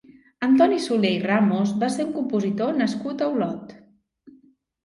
Antoni Soler i Ramos va ser un compositor nascut a Olot.